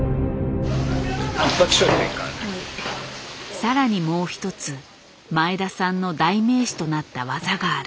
更にもう一つ前田さんの代名詞となった技がある。